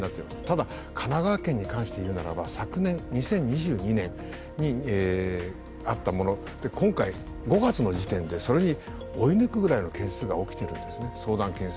ただ、神奈川県に関していうならば昨年、２０２０年にあったもの今回、５月の時点でそれに追い抜くぐらいの相談件数があるんですね。